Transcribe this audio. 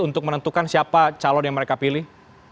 untuk menentukan siapa calon yang mereka pilih